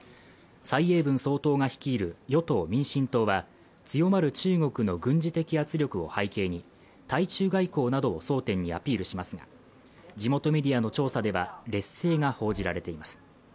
蔡英文総統が率いる与党・民進党は強まる中国の軍事的圧力を背景に対中外交などを争点にアピールしますが地元メディアの調査では劣勢が報じられています